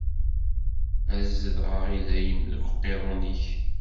Ad zedɣeɣ i dayem deg uqiḍun-ik.